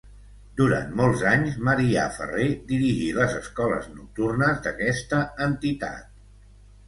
Durant molts anys Marià Ferrer dirigí les escoles nocturnes d'aquesta entitat.